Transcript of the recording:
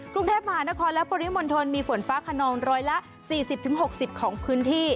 กรุงเทพมหานครและปริมณฑลมีฝนฟ้าคนนร้อยละสี่สิบถึงหกสิบของพื้นที่